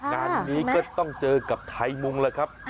งานนี้ก็ต้องเจอกับไทยมุงแล้วครับ